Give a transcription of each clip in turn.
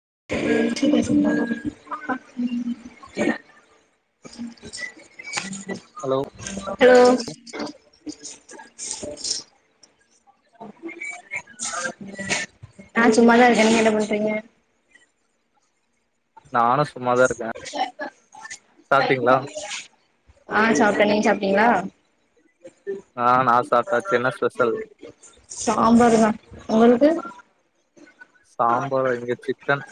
[inaudible] Hello hello நா சும்மாதா இருக்க நீங்க என்ன பண்றீங்க நானு சு சாப்ட்டீங்களா ஆ சாப்ட்ட நீங்க சாப்ட்டீங்களா ஆ நா சாப்ட்டாச்சி என்ன ஸ்பெஷல் சாம்பாருங்க உங்களுக்கு சாம்பாரா இங்க சிக்கன்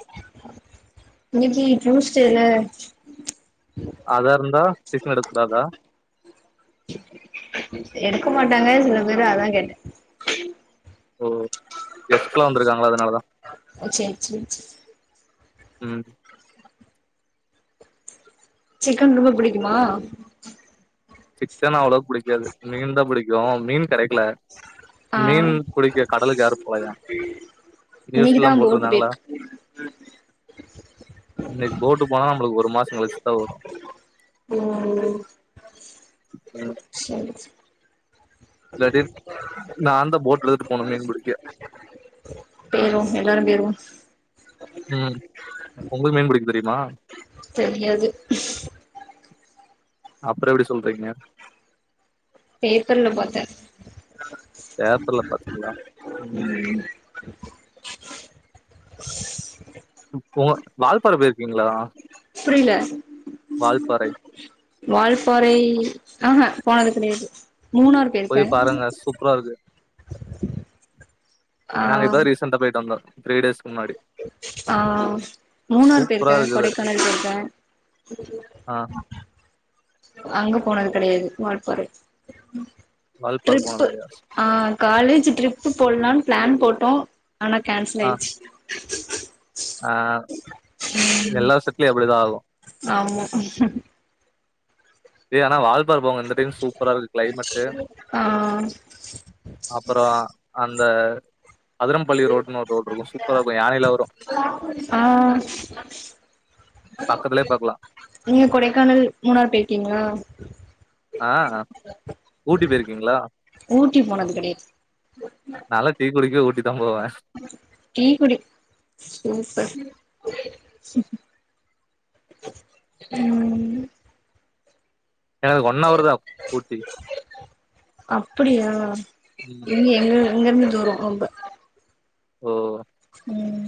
இன்னிக்கி ட்யூஸ்டேல அதா இருந்தா சிக்கன் எடுக்கூடாதா எடுக்க மாட்டாங்க சில பேரு அதா கேட்ட ஓ கெஸ்ட்லா வந்துருக்காங்களா அதனாலதா ஓ சே சே சே ம் சிக்கன் ரொம்ப புடிக்குமா சிக்கன் அவ்ளவா புடிக்காது மீன்தா புடிக் கு மீன் கெடைக்கல ஆ மீன் புடிக்க கடலுக்கு யாரு போலையா நியூஸ்லா இன்னைக்குதா போட்டு போட்ருந்தாங்களா போயிருக்கு இன்னைக் போட்டு போனா நம்ளுக்கு ஒரு மாசோ கழிச்சிதா வரு சே சே லடிர் நாந்தா போட்ல எத்துட்டு போனு மீன் புடிக்க போயிருவோ எல்லாரு பொய்ருவோ ம் உங்களு மீன் புடிக்க தெரியுமா தெரியாது அப்றொ எப்டி சொல்றீங்க பேப்பர்ல பாத்த பேப்பர்ல பாத்தீங்ளா [unintelligible] வால்பாற பொய்ர்கீங்களா புரில வால்பாறை வால்பாறை அஹ போனது கடையாது மூணார் போய் போயிருக்க பாருங்க சூப்பரா இருக்கு நாங்க இப்பதா ரீசண்டா போயிட்டு வந்தோ த்ரீ டேஸ் ஆஹ் மூணாரு சூப்பரா போயிருக்கே இருக்குது கொடைக்கானல் போயிருக்கே ஆ அங்க போனது கெடையாது வால்பாறை வால்பார் போனது ட்ரிப்பு இல்லையா ஆ காலேஜ் ட்ரிப் போடலாம்னு பிளான் போட்டு போ ஆனா கேன்சல் ஆயிச்சு [inaudible] ஆஹ் எல்லா செட்லயு அப்படிதா ஆகு ம்ஹம்ம் ஏ ஆனா வால்ப் ப்பார போங்க இந்த டைம் சூப்பரா இருக்கு கிளைமேட் ஆ அப்புற அந் அந்த அதிரம்பள்ளி ரோடுனு ஒரு ரோடு இருக்கும் சூப்பரா ருக்கு யானையில வரு ஆ பக்கத்துலயே பாக்கலா நீங்க கொடைக்கானல் மூணார் போய்ருக்கீங்களா ஆஹ் ஊட்டி போயிருக்கீங்களா ஊட்டி போனது கெடையாது நல்லா டீ குடிக்க ஊட்டி தா போவே டீ குடி சூப்பர் உம் எனக்கு ஒன் ஹவர் தா ஊட்டி அப்டியா ம் இங்க எங்க இங்கருந்து தூரோ ரொம்ப ஓ உம்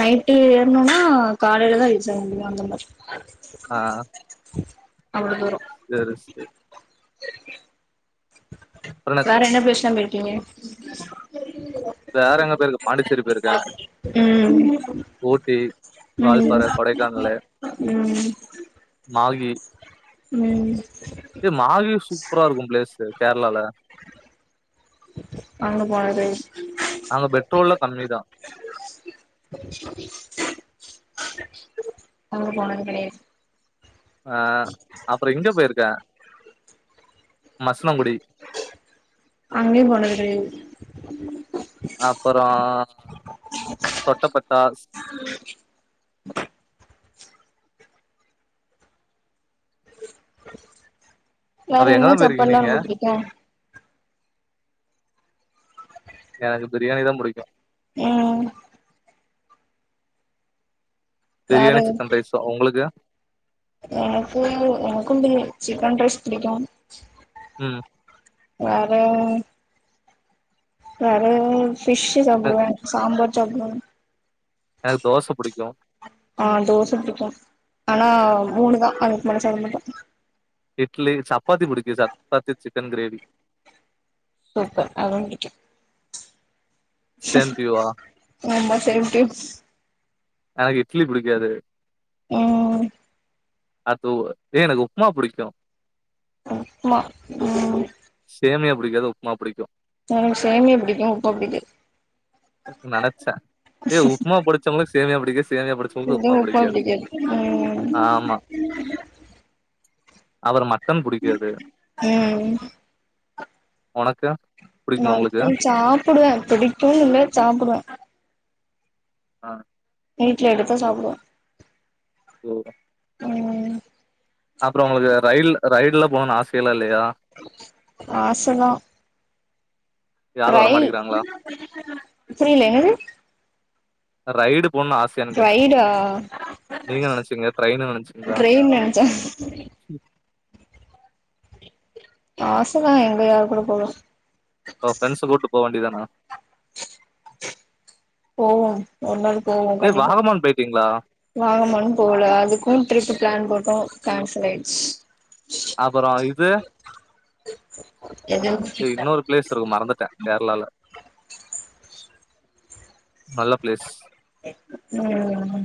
நைட்டு ஏற்ணோனா காலேலதா ரீச் ஆக முடியு அந்த மாரி ஆஹ் அவ்ளோ தூரோ அப்புறோ வேற என்ன பேசனமே ஓகே வேற எங்க போயிருக்கு பாண்டிச்சேரி போயிருக்கே ஊட்டி உம் வால்பாற கொடைக்கானலு உம் உம் ஏ மாகி சூப்பரா இருக்கு பிளேஸ்சு கேரளால அங்க போனது அங்க பெட்ரோல்லா கம்மிதா அங்க போனது கெடையாது ஆஹ் அப்பறோ எங்க போயிருக்க அங்கயு போனது கெடையாது அப்பறோ தொட்டபெட்டாஸ் வேற அப்ப என்ன எங்கதா போயிருக்கீங்க சப்பாடுல்லா நீங்க ரொம்ப பிடிக்கு எனக்கு பிரியாணி தா புடிக்கு உம் பிரியாணி வேற என் சிக்கன் எ ரைஸு உங்களுக்கு எ எனக்கு எனக்கும் பிரி சிக்கன் ரைஸ் பிடிக்கு உம் வேற வேற ஃபிஷ்சு சாப்டுவே சாம்பார் சாப்டுவோ எனக்கு தோச புடிக்கு ஆஹ் தோச பிடிக்கும் ஆனா மூணு தா அது மனசார மட்டு இட்லி சப்பாத்தி புடிக்கு சப்பாத்தி சிக்கன் கிரேவி சூப்பர் அதுவு பிடிக்கு சேம் டு யூ ஆ ஆமா சேம் டுயூஸ் எனக்கு இட்லி புடிக்காது ம் அது எனக்கு உப்மா புடிக்கோ உப்மா ம் புடிக்கது உப்மா புடிக்கோ ந எனக்கு சேமியா புடிக்கோ உப்மா புடிக்காது நனச்ச ஏ உப்மா புடிச்சவங்களுக்கு சேமியா புடிக்காது இது உப்மா புடிக்காது ம் அவர் மட் ம் உனக்கு புடிக்குமா உங்களுக்கு மட்டன் சாப்டுவே புடிக்கும்னு இல்ல சாப்டுவ ஆ வீட்ல எடுத்த சாப்டுவ ஓ அப்றோ உங்களுக்கு ரயில் ரைடுல போன ஆச ல ல் ஆசதா யாரு ரயில் வரமாட்டேங்கிறாங்களா புரில என்னது ரைடு போன ஆசயான்னு கேட்ட ரைடா நீங்க நனச்சீங்க ட்ரெயினு நனச்சீங்களா ட்ரெயின் நெனச்சே ஆசதா எங்க யரு கூட போக பிரரெண்ட் ச கூப்டு போக வேண்டிதானா போவோ ஒன்ன போவோ ஏ கண்டிப்பா வாகமான் போயிட்டீங்களா வாங்கம்மான்னு போகல அதுக்கோ ட்ரிப்பு பிளான் போட்டோ கேன்சல் ஆயிடுச்சி அப்றோ இது எது இன்னொரு பிளேஸ் இருக்கோ மறந்துட்ட கேரளால நல்ல பிளேஸ் ம்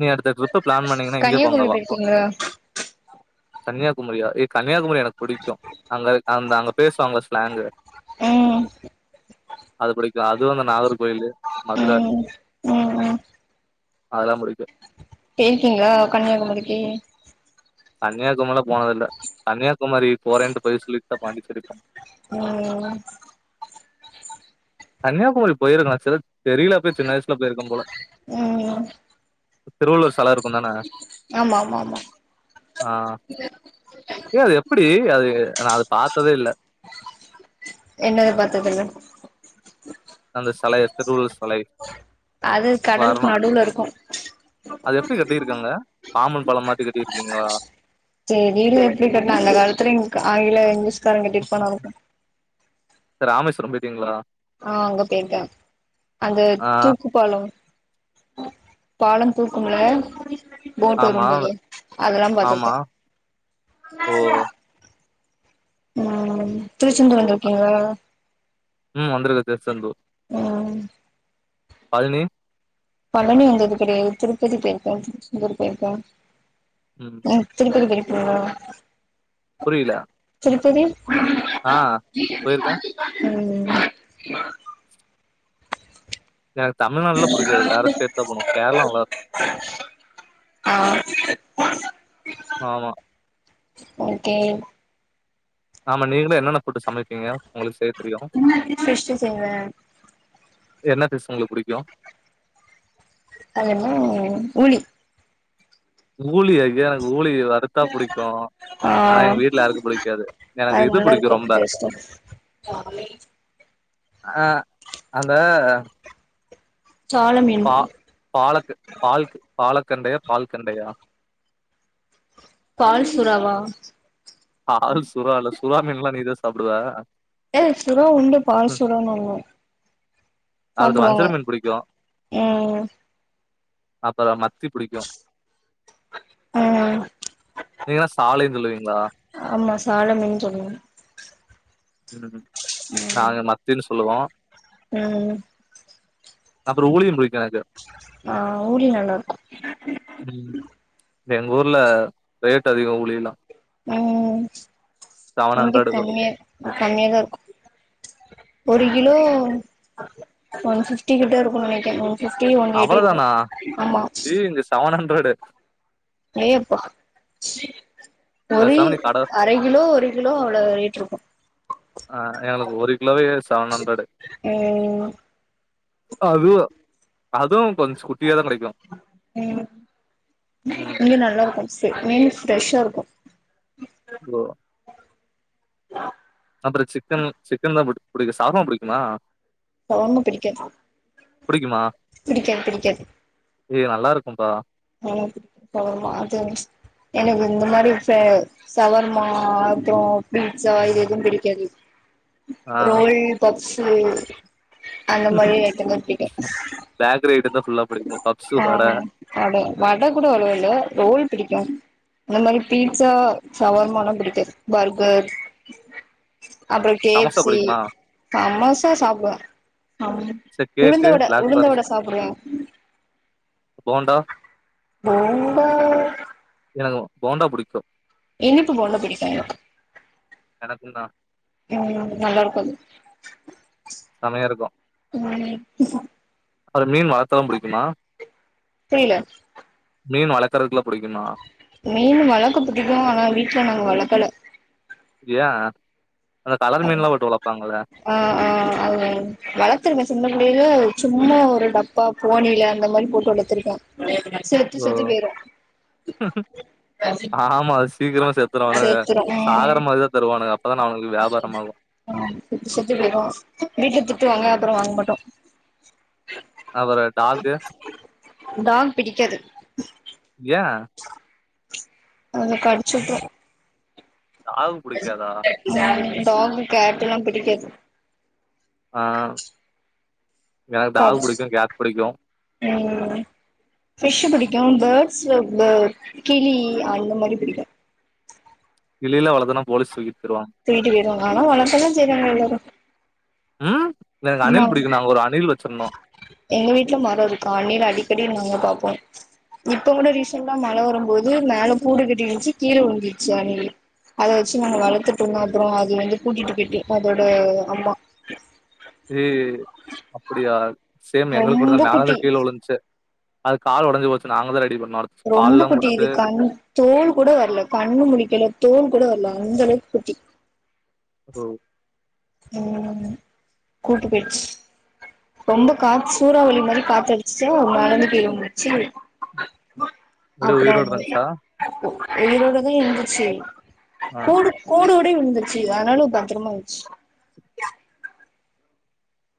நீ அடுத்த ட்ரிப் கன்னியாகுமரி போய்ருக்கீங்கள கன்னியாகுமரியா ஏ கன்னியாகுமரி எனக்கு பிடிக்கோ அங்க அந்த அங்க பேசுவாங்கள ஸ்லாங்கு உம் அது புடிக்கு அதுவு அந்த நாகர் கோயிலு மதுரை ம் ம் ம் அதெல்லா புடிக்கு பேக்கிங்கா கன்னியாகுமரிக்கு கன்னியாகும்மால்லா போனதில்ல கன்னியாகுமரி போறேன்ட்டு பொய் சொல்லிட்டுதா பாண்டிச்சேரி போனோ உம் கன்னியாகுமரி போயிருக்கே நா சிஸ் தெரில அப் சின்ன வய்சுல போயிருக்கே போல உம் திருவள்ளூர் செல இருக் தானே ஆமா ஆமா ஆமா ஆ ஏது எப்டி அது நா அது பாத்ததே இல்ல என்னது பாத்ததில்ல அந்த செலய திருவள்ளுவர் செலய அது கடலுக்கு நடுவுல இருக்கு அது எப்டி கட்டிருக்காங்க பாமன் பாலம் மாரி கட்டிருக்கீங்களா செரி வீடு எப்டி கட்டனா அந்த காலத்துல காலைல எந்திரிச் [unintelligible] ராமேஸ்வரம் போயிர்க்கீங்ளா ஆ அங்க போயிருக்க அந்த ஆ. தூக்கு பாலோ பாலம் தூக்கும்ல போட் ஆமா. வரும்போது அதல்லா ஆமா. பாத்துர்க்கன் ஓ! ம் திருச்செந்தூர் வந்திருக்கீங்ளா ம் வந்துருக்க திருச்செந்தூர் பல்னி பலனி வந்தது கடயாது திருப்பதி போயிருக்கன் [inaudible] போயிருக்கன் ம் திருப்பதி பேரி ஆஹ் புரிய்ல [unintelligible] ஆஹ் போயிருக்கன் ம் எனக் தமில்நால்ல புடிக்காது வேற ஸ்டேட்தா போனு கேர்ளா நல்லா ஆ ஆமா ஓகே ஆமா நீங்ளு என்னன்ன ஃபுட்டு சமைப்பீங்க உங்களுக்கு செய்ய தெரியும்? ஃபிஷ்ஷு செய்வன் என்ன ஃபிஸ் ஒங்ளுக்கு புடிக்கும் அதெண்ண ஊளி ஊளியா இது எனக்கு ஊளி வறுத்தா புடிக்கும் ஆ ஆனா எங்க வீட்ல யாருக்கும் புடிக்காது எனக்கு அது இது புடிக்கு ரொம்ப நல்லாருக்கு டேஸ்ட்டா அஹ் அந்த சால மீன் பா பாலக்கு பால்க்கு பாலக் கண்டயா பால் கண்டயா பால் சுறாவா ஆல் சுறால சுறாமீன்லா நீதான் சாப்டுவ ஏ சுறா உண்டு பால் சுரானு ஒன்னு அடுத்து வஞ்சர சாப்புடுவாங்க மீன் ம் அப்பற ம ம் நீங்னா சாலைன் சொல்லுவீங்ளா ஆமா சால மீன் சொல்லுவோ உஹ்ம் உம் நாங்க மத்தினு சொல்லுவோம் ம் அப்றொ ஊளியுன் புடிக்கும் எனக்கு ஆஹ் ஊளி நல்லாருக்கும் ம். எங்க ஊர்ல ரேட் அதிகோம் ஊளில்லா உம் உங்கித் வரும். தண்ணி கம்மியா தா இருக்கு ச்சு ஒரு ம். கிலோ ஒன் ஃபிப்டி கிட்ட இருக்குனு நெனக்கே எஸ் கே ஒன் எயிட்டி வரும் அவ்வளதானா? ஆமா ஹண்ட்ரேட்டு ஏ எப்பா ஒரு பேசாம நீ கட அரை கிலோ ஒரு கிலோ அவ்ளோ ரேட் இருக்கு ஆஹ் எங்களுக்கு ஒரு கிலோவே செவன் ஹண்ட்ரடு ம் அது அதுவும் கொஞ்சம் குட்டியா தான் கெடைக்கும். உம் ம். இ்ங்க நல்லா இருக்கு தட் மின்ஸ் ஃப்ரெஷ்ஷா இருக்கும் ஆஹ் அப்றோ சிக்கன் சிக்கன் தா புட் புடிக்கு ஷவர்மா புடிகுமா ஷவர்மா பிடிகாது பிடிகாது பிடிகாது இது நல்லா இருகும்ப்பா ஆனா ஷவர்மா அது ச்சு எனக்கு இந்த மாரி ச சவர்மா அப்றோ பீட்சா இது எதும் பிடிக்காது ரோல் பஃப்ஸ் உம் பேக்ரி ஐட்டத்த ஃபுல்லா பிடிக்கு பப்ஸு ஆ வட அட வட கூட அவ்ளோ இல்ல ரோல் பிடிக்கு இந்த மாரி பீட்சா ஷவர்மானா பிடிகாது பர்கர் அ அப்றோ கே எஃப் சமோசா சி பிடிக்குமா? சமோசா சாப்டுவே சாப்டுவோ, சரி உளுந்த கேக்கு, வட பிளாக் உளுந்த வட ஃபாரஸ்ட், சாப்புடுவோ போண்டா ரொம்ப எனக்கு போண்டா புடிக்கு இனிப்பு போண்டா பிடிக்கு எனக்குந்தா ம் நல்லார்க்காது செமயா இருக்கு ம் ம்ஹும் அது மீன் வளத்தவு புடிக்குமா புரியல மீன் வளக்கறக்குல்லா புடிக்குமா மீனு வளக்க புடிக்கு ஆனா, வீட்ல நாங்க வளக்கல ஏ [inaudible] ஆ ஆ அது வளத்திருப்ப சின்னப்புள்ளைல சும்மா ஒரு டப்பா, போனைல அந்த மாரி போட்டு வளத்திருக்கோ ஓ [inaudible] ஆமா அது சீக்கிரமா செத்திரு ஆனா, செத்துரு சாகற மாரி தா தருவானுங்க அப்ப தான அவனுகளுக் ம் செத்து செத்து போய்டு வீட்ல திட்டுவாங்க அப்றோ வாங் மாட்டோ அபறோ டாகு டாக் பிடிக்காது ஏ அதுங்க கடிச்சுட்ரு டாகு புடிக்காதா ம் டாகு, கேட் எல்லா பிடிக்காது ஆ எனக்கு டாகு கடிச் புடிக்கு கேட் புடிக்கு ம் ஃபிஷ்ஷு பிடிக்கு பேட்ஸு பே கிளி அந்த மாரி பிடிக்கு இல்ல இல்ல அவ்ளோ தான போலீஷ் தூக்கிட் தூக்கிட்டு போயிருவாங்க ஆனா வளக்கல்லா செய்றாங்க எல்லாரு ஆ ஆ எங்க வீட்ல மரோ இருக்கு அண்ல் அடிக்கடி நாங்க பாப்போம் இப்ப குட ரீசெண்டா மழ போது மேல கூடுகட் [unintelligible] கீழ உளுந்துச்சி அணில் அத வச்சு நாங்க வளத்துக்ட்டு இருந்தோம் அதுகப்றோ அது வந்து கூட்டிட்டு போச்சு அதோட அம்மா ஏ அப்டியா சேம் எங்களுக்குட தா ரொம்ப மேலந்து குட்டி கீழ உழுந்ச்சி அது கால் ஒடஞ்சு போச்சு நாங்க தா ரெடி பண் ரொம்ப குட்டி இது கண் தோல் கூட வரல கண்ணு முழிக்கல தோல் கூட வரலா அந்த அளவுக்கு குட்டி ஒ உம் கூட்டு போயிர்ச்சு ரொம்ப காத் சூறாவளி மாரி காத்தடிச்சுச்சா மேல இருந்து கீழ விழுந்திருச்சு எப்டியோ அப்புறோ உயிரோட அந்த இருந்துச்சா உயிரோடதா இருந்துச்சு ஆ கூடு கூடு அப்டியே விழுந்துச்சு ஆனாலு பத்திரமாச்சு